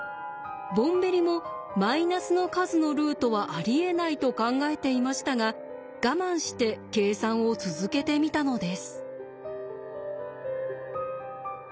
ボンベリもマイナスの数のルートはありえないと考えていましたが我慢して計算を続けてみたのです。